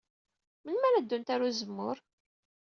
Melmi ara ddunt ɣer uzemmur?